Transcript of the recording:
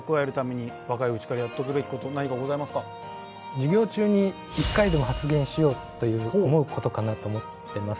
授業中に１回でも発言しようという思うことかなと思ってます。